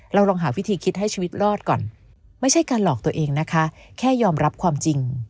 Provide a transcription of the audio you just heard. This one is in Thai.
ลองหาวิธีคิดให้ชีวิตรอดก่อนไม่ใช่การหลอกตัวเองนะคะแค่ยอมรับความจริง